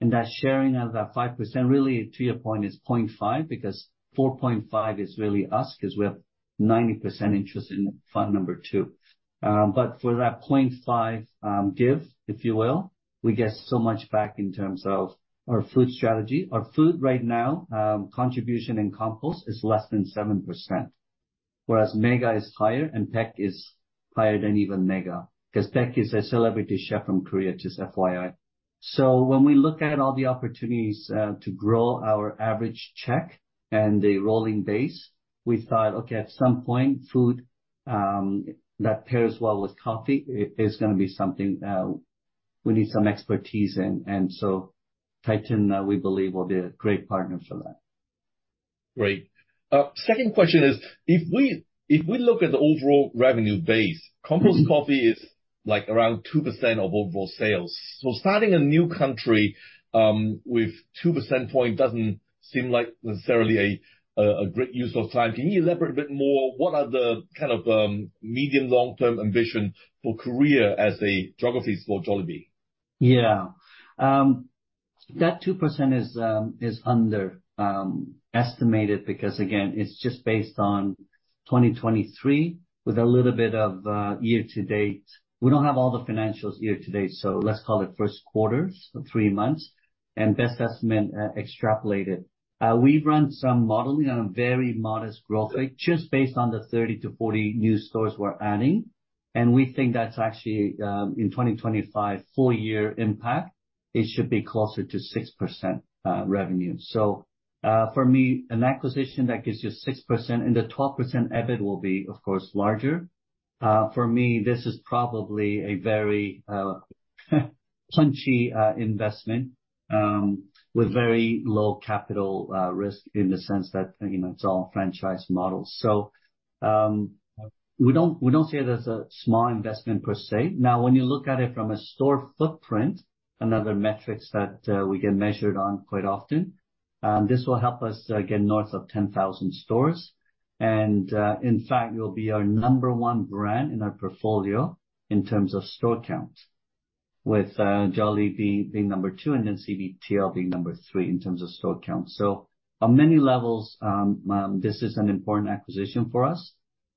[SPEAKER 2] and that sharing of that 5%, really, to your point, is 0.5%, because 4.5% is really us, ’cause we have 90% interest in fund number two. But for that 0.5%, give, if you will, we get so much back in terms of our food strategy. Our food right now, contribution in Compose is less than 7%, whereas Mega is higher, and Tech is higher than even Mega, 'cause Tech is a celebrity chef from Korea, just FYI. So when we look at all the opportunities, to grow our average check and the rolling base, we thought, okay, at some point, food that pairs well with coffee is gonna be something, we need some expertise in. And so Titan, we believe will be a great partner for that.
[SPEAKER 3] Great. Second question is, if we, if we look at the overall revenue base, Compose Coffee is like around 2% of overall sales. So starting a new country, with 2 percentage points doesn't seem like necessarily a great use of time. Can you elaborate a bit more, what are the kind of, medium, long-term ambition for Korea as a geographies for Jollibee?
[SPEAKER 2] Yeah. That 2% is underestimated, because again, it's just based on 2023, with a little bit of year to date. We don't have all the financials year to date, so let's call it first quarters, so three months, and best estimate extrapolated. We've run some modeling on a very modest growth rate, just based on the 30-40 new stores we're adding, and we think that's actually in 2025, full year impact, it should be closer to 6% revenue. So, for me, an acquisition that gives you 6%, and the 12% EBIT will be, of course, larger. For me, this is probably a very punchy investment with very low capital risk in the sense that, you know, it's all franchise models. So, we don't see it as a small investment per se. Now, when you look at it from a store footprint, another metric that we get measured on quite often, this will help us get north of 10,000 stores. And, in fact, it will be our number one brand in our portfolio in terms of store count, with Jollibee being number two and then CBTL being number three in terms of store count. So on many levels, this is an important acquisition for us.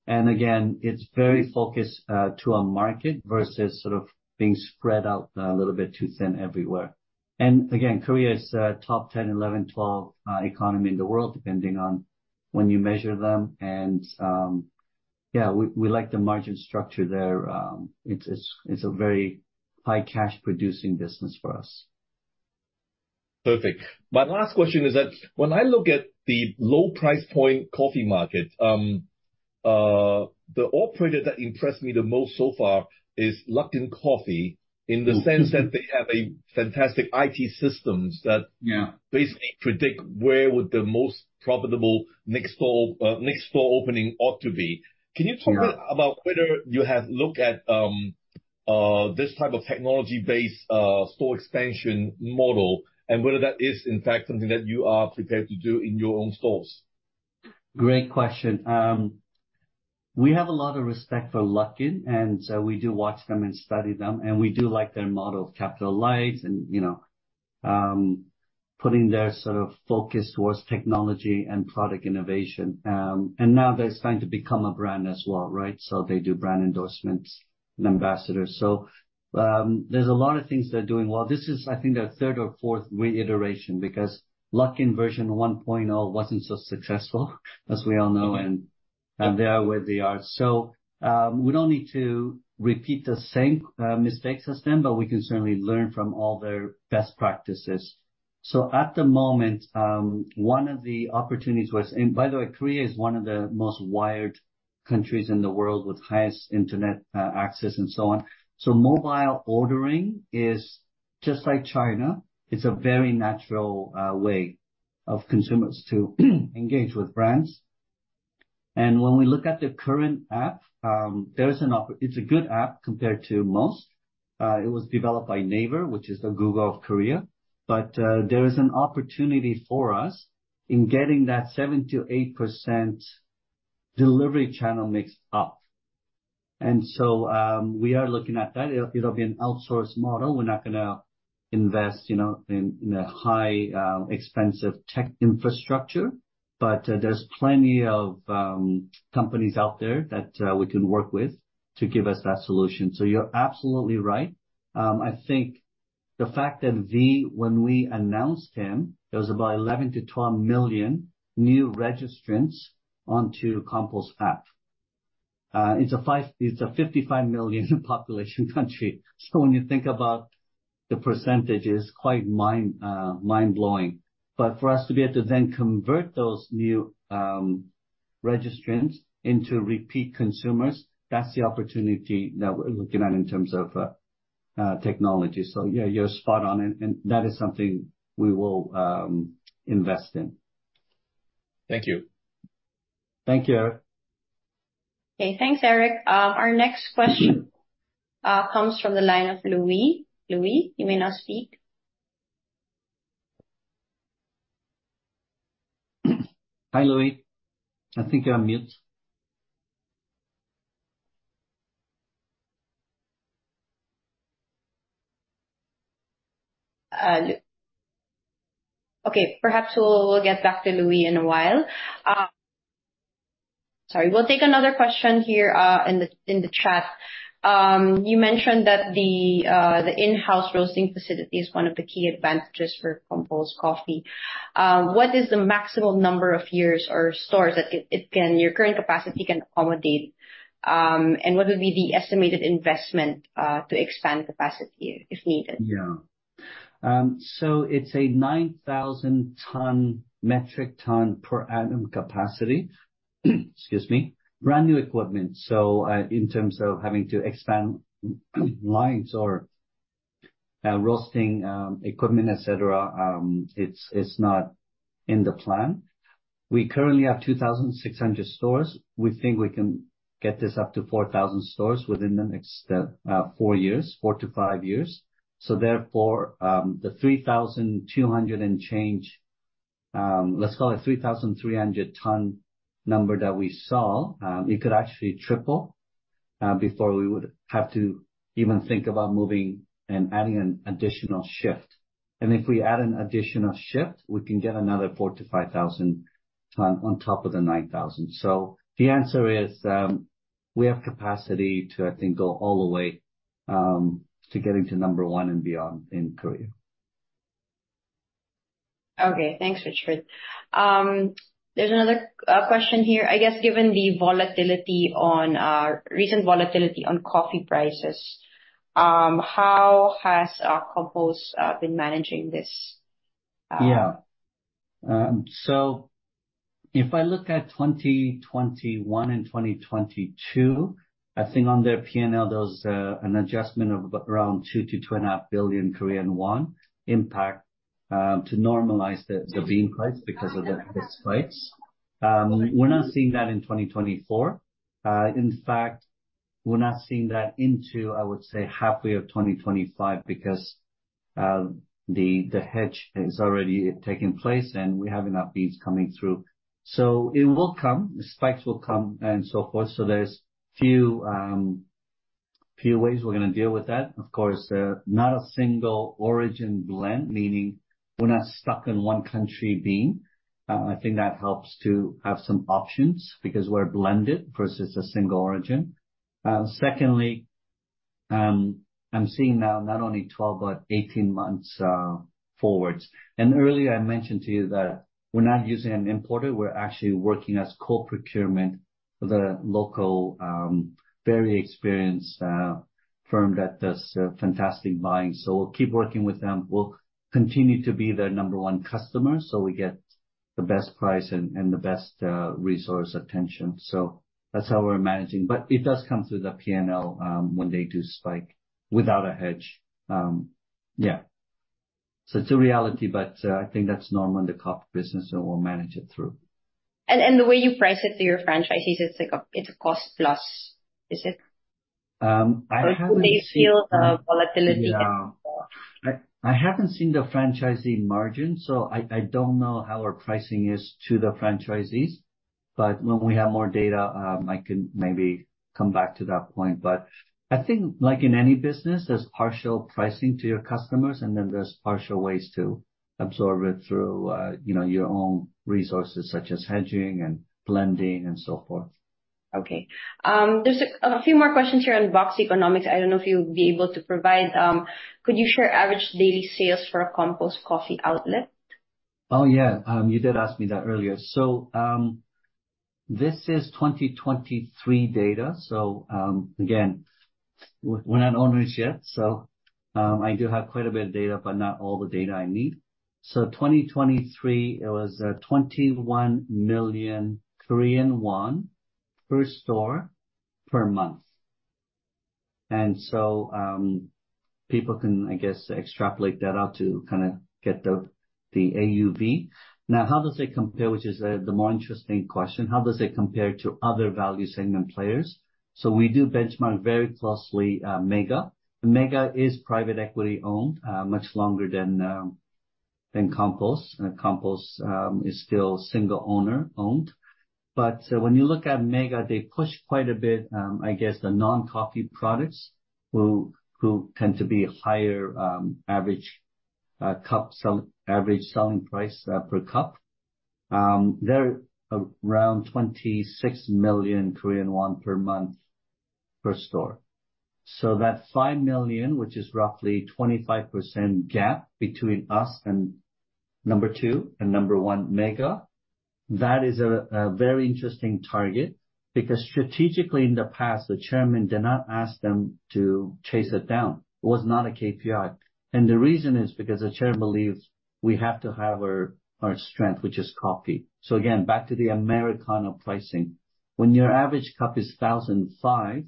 [SPEAKER 2] And again, it's very focused to our market versus sort of being spread out a little bit too thin everywhere. And again, Korea is a top 10, 11, 12 economy in the world, depending on when you measure them. And, yeah, we like the margin structure there. It's a very high cash producing business for us.
[SPEAKER 3] Perfect. My last question is that when I look at the low price point coffee market, the operator that impressed me the most so far is Luckin Coffee in the sense that they have a fantastic IT systems that basically predict where would the most profitable next store opening ought to be.
[SPEAKER 2] Yeah.
[SPEAKER 3] Can you talk a bit about whether you have looked at this type of technology-based store expansion model, and whether that is, in fact, something that you are prepared to do in your own stores?
[SPEAKER 2] Great question. We have a lot of respect for Luckin, and so we do watch them and study them, and we do like their model of capital-light and, you know, putting their sort of focus towards technology and product innovation. And now they're trying to become a brand as well, right? So they do brand endorsements and ambassadors. So, there's a lot of things they're doing well. This is, I think, their third or fourth reiteration, because Luckin version 1.0 wasn't so successful, as we all know, and, and they are where they are. So, we don't need to repeat the same, mistakes as them, but we can certainly learn from all their best practices. So at the moment, one of the opportunities was... And by the way, Korea is one of the most wired countries in the world with highest internet access and so on. So mobile ordering is just like China. It's a very natural way of consumers to engage with brands. And when we look at the current app, there is an opportunity—it's a good app compared to most. It was developed by Naver, which is the Google of Korea. But there is an opportunity for us in getting that 7%-8% delivery channel mix up. And so, we are looking at that. It'll be an outsourced model. We're not gonna invest, you know, in a high expensive Tech infrastructure, but there's plenty of companies out there that we can work with to give us that solution. So you're absolutely right. I think the fact that V, when we announced him, there was about 11-12 million new registrants onto Compose's app. It's a 55 million population country. So when you think about the percentage, it's quite mind-blowing. But for us to be able to then convert those new registrants into repeat consumers, that's the opportunity that we're looking at in terms of technology. So yeah, you're spot on, and that is something we will invest in.
[SPEAKER 3] Thank you.
[SPEAKER 2] Thank you, Eric.
[SPEAKER 1] Okay, thanks, Eric. Our next question comes from the line of Louis. Louis, you may now speak.
[SPEAKER 2] Hi, Louis. I think you're on mute.
[SPEAKER 1] Okay, perhaps we'll, we'll get back to Louis in a while. Sorry. We'll take another question here, in the chat. You mentioned that the in-house roasting facility is one of the key advantages for Compose Coffee. What is the maximum number of years or stores that it can... Your current capacity can accommodate? And what would be the estimated investment to expand capacity if needed?
[SPEAKER 2] Yeah. So it's a 9,000-metric ton per annum capacity. Excuse me. Brand new equipment. So, in terms of having to expand lines or, roasting, equipment, et cetera, it's, it's not in the plan. We currently have 2,600 stores. We think we can get this up to 4,000 stores within the next four years, 4-5 years. So therefore, the 3,200 metric ton and change, let's call it 3,300 metric ton number that we saw, it could actually triple, before we would have to even think about moving and adding an additional shift. And if we add an additional shift, we can get another 4,000 metric ton-5,000 metric ton on top of the 9,000 metric ton. The answer is, we have capacity to, I think, go all the way, to getting to number one and beyond in Korea.
[SPEAKER 1] Okay. Thanks, Richard. There's another question here. I guess, given the recent volatility on coffee prices, how has Compose been managing this?
[SPEAKER 2] Yeah. So if I look at 2021 and 2022, I think on their P&L, there was an adjustment of around 2 billion-2.5 billion Korean won impact to normalize the bean price because of the price spikes. We're not seeing that in 2024. In fact, we're not seeing that into, I would say, halfway of 2025, because the hedge is already taking place, and we have enough beans coming through. So it will come, the spikes will come, and so forth. So there's few ways we're gonna deal with that. Of course, not a single origin blend, meaning we're not stuck in one country bean. I think that helps to have some options, because we're blended versus a single origin. Secondly, I'm seeing now not only 12 but 18 months forwards. Earlier, I mentioned to you that we're not using an importer. We're actually working as co-procurement with a local, very experienced, firm that does fantastic buying. We'll keep working with them. We'll continue to be their number one customer, so we get the best price and the best resource attention. That's how we're managing. But it does come through the P&L, when they do spike without a hedge. Yeah, so it's a reality, but I think that's normal in the coffee business, and we'll manage it through.
[SPEAKER 1] And the way you price it to your franchisees, it's like a, it's a cost plus, is it?
[SPEAKER 2] I haven't seen-
[SPEAKER 1] Or do they feel the volatility?...
[SPEAKER 2] I haven't seen the franchisee margin, so I don't know how our pricing is to the franchisees. But when we have more data, I can maybe come back to that point. But I think like in any business, there's partial pricing to your customers, and then there's partial ways to absorb it through, you know, your own resources, such as hedging and blending and so forth.
[SPEAKER 1] Okay. There's a few more questions here on box economics. I don't know if you'll be able to provide. Could you share average daily sales for a Compose Coffee outlet?
[SPEAKER 2] Oh, yeah. You did ask me that earlier. So, this is 2023 data. So, again, we're not owners yet, so, I do have quite a bit of data, but not all the data I need. So 2023, it was 21 million Korean won per store per month. And so, people can, I guess, extrapolate that out to kinda get the AUV. Now, how does it compare, which is the more interesting question? How does it compare to other value segment players? So we do benchmark very closely, Mega. Mega is private equity-owned, much longer than Compose, and Compose is still single owner-owned. But when you look at Mega, they push quite a bit, the non-coffee products, which tend to be higher average cup sale, average selling price per cup. They're around 26 million Korean won per month per store. So that 5 million, which is roughly 25% gap between us and number two and number one, Mega, that is a very interesting target because strategically, in the past, the chairman did not ask them to chase it down. It was not a KPI. And the reason is because the chairman believes we have to have our strength, which is coffee. So again, back to the Americano pricing. When your average cup is 1,500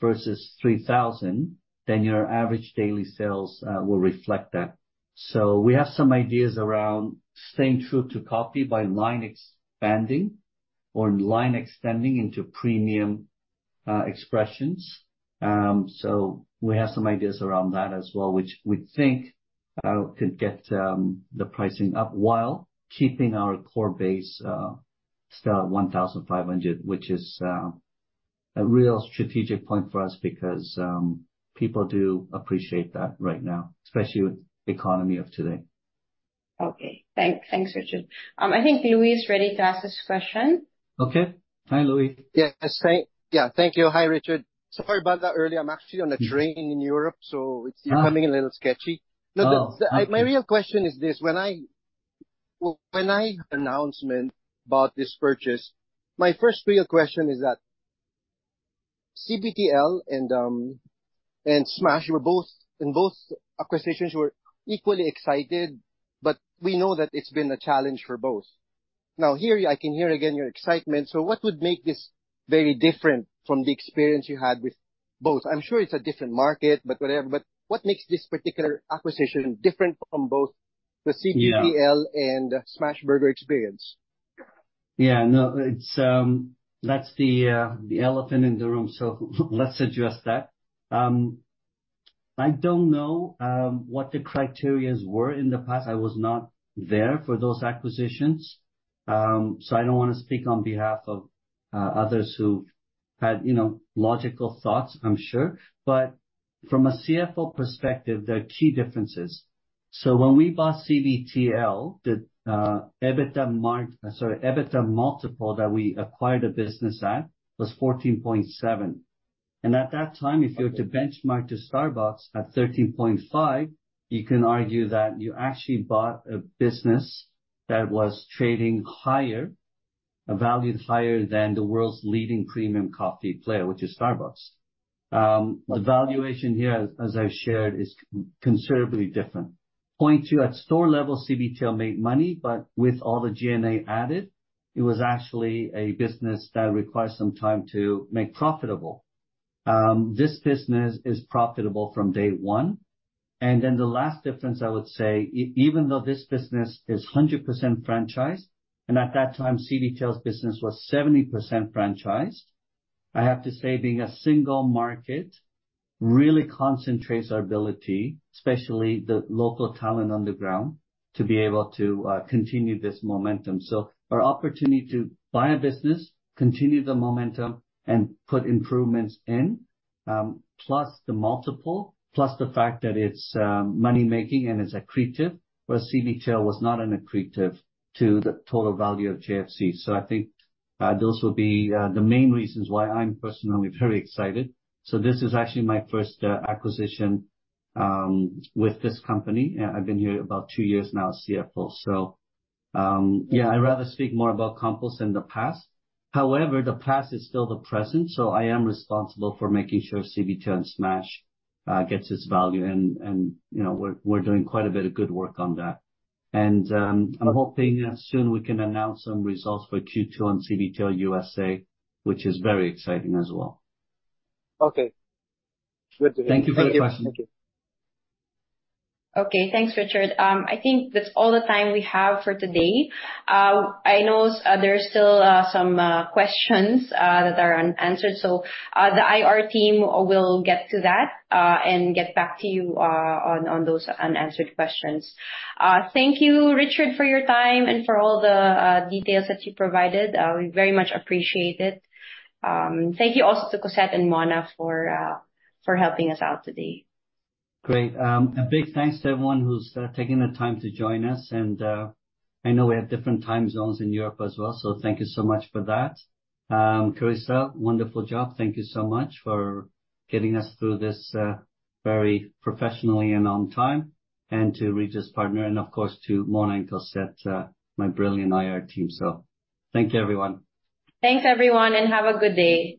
[SPEAKER 2] versus 3,000, then your average daily sales will reflect that. So we have some ideas around staying true to coffee by line expanding or line extending into premium expressions. So we have some ideas around that as well, which we think could get the pricing up while keeping our core base still at 1,500, which is a real strategic point for us because people do appreciate that right now, especially with the economy of today.
[SPEAKER 1] Okay. Thanks. Thanks, Richard. I think Louis is ready to ask his question.
[SPEAKER 2] Okay. Hi, Louis.
[SPEAKER 4] Yes, yeah, thank you. Hi, Richard. Sorry about that earlier. I'm actually on a train in Europe, so it's becoming a little sketchy.
[SPEAKER 2] Oh, okay.
[SPEAKER 4] My real question is this: When the announcement about this purchase, my first real question is that CBTL and Smashburger were both in both acquisitions equally excited, but we know that it's been a challenge for both. Now, here, I can hear again your excitement, so what would make this very different from the experience you had with both? I'm sure it's a different market, but whatever. But what makes this particular acquisition different from both the CBTL and Smashburger experience?
[SPEAKER 2] Yeah. No, it's, that's the elephant in the room, so let's address that. I don't know what the criteria were in the past. I was not there for those acquisitions, so I don't wanna speak on behalf of others who've had, you know, logical thoughts, I'm sure. But from a CFO perspective, there are key differences. So when we bought CBTL, the EBITDA marg, sorry, EBITDA multiple that we acquired the business at was 14.7x. And at that time, if you were to benchmark to Starbucks at 13.5x, you can argue that you actually bought a business that was trading higher, a valued higher than the world's leading premium coffee player, which is Starbucks. Valuation here, as I've shared, is considerably different. Point two, at store level, CBTL made money, but with all the G&A added, it was actually a business that required some time to make profitable. This business is profitable from day one. And then the last difference, I would say, even though this business is 100% franchised, and at that time, CBTL's business was 70% franchised, I have to say, being a single market really concentrates our ability, especially the local talent on the ground, to be able to continue this momentum. So our opportunity to buy a business, continue the momentum, and put improvements in, plus the multiple, plus the fact that it's money-making and it's accretive, where CBTL was not an accretive to the total value of JFC. So I think those will be the main reasons why I'm personally very excited. So this is actually my first acquisition with this company. I've been here about two years now as CFO. So, yeah, I'd rather speak more about Compose than the past. However, the past is still the present, so I am responsible for making sure CBTL and Smashburger gets its value and, and, you know, we're doing quite a bit of good work on that. And, I'm hoping that soon we can announce some results for Q2 on CBTL U.S.A., which is very exciting as well.
[SPEAKER 4] Okay. Good to hear.
[SPEAKER 2] Thank you for the question.
[SPEAKER 4] Thank you.
[SPEAKER 1] Okay. Thanks, Richard. I think that's all the time we have for today. I know there are still some questions that are unanswered, so the IR team will get to that and get back to you on those unanswered questions. Thank you, Richard, for your time and for all the details that you provided. We very much appreciate it. Thank you also to Cossette and Mona for helping us out today.
[SPEAKER 2] Great. A big thanks to everyone who's taking the time to join us, and I know we have different time zones in Europe as well, so thank you so much for that. Carissa, wonderful job. Thank you so much for getting us through this, very professionally and on time, and to Regis Partners, and of course, to Mona and Cossette, my brilliant IR team. So thank you, everyone.
[SPEAKER 1] Thanks, everyone, and have a good day.